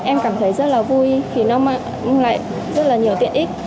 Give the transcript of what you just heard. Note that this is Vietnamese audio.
em cảm thấy rất là vui vì nó mang lại rất là nhiều tiện ích